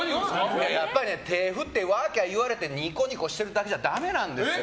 やっぱり手を振ってワーキャー言われてニコニコしてるだけじゃダメなんですよ。